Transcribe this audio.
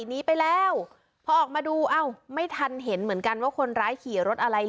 หนีไปแล้วพอออกมาดูอ้าวไม่ทันเห็นเหมือนกันว่าคนร้ายขี่รถอะไร